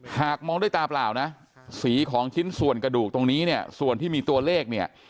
หากมองด้วยตาเปล่าสีของชิ้นส่วนกระดูกตรงนี้ส่วนที่มีตัวเลข